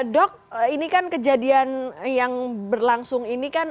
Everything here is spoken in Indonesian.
dok ini kan kejadian yang berlangsung ini kan